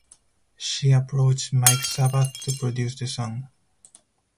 She approached Mike Sabath to produce the song.